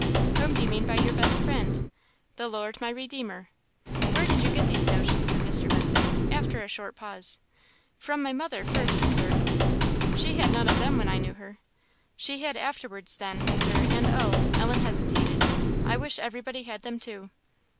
"Whom do you mean by 'your best friend?' " "The Lord, my Redeemer." "Where did you get these notions?" said Mr. Lindsay, after a short pause. "From my mother, first, Sir." "She had none of them when I knew her." "She had afterwards, then, Sir; and oh!" Ellen hesitated "I wish everybody had them too!"